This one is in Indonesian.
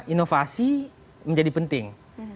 inovasi menjadi penting